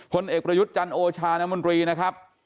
เอกประยุทธ์จันโอชานมนตรีนะครับ